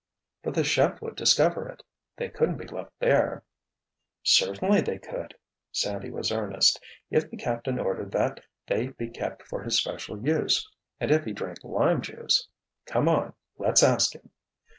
"But the chef would discover it—they couldn't be left there!" "Certainly they could." Sandy was earnest. "If the Captain ordered that they be kept for his special use—and if he drank lime juice. Come on, let's ask him."